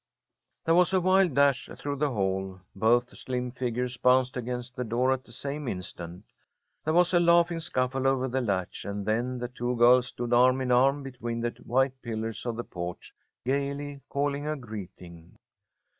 There was a wild dash through the hall. Both slim figures bounced against the door at the same instant. There was a laughing scuffle over the latch, and then the two girls stood arm in arm between the white pillars of the porch, gaily calling a greeting.